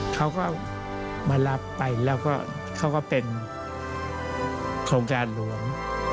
เขาก็มารับไปแล้วก็เขาก็เป็นโครงการหลวง